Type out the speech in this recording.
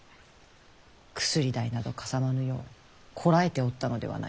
薬代などかさまぬようこらえておったのではないかと。